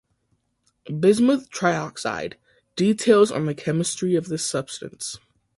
Bismuth trioxide - details on the chemistry of this substance.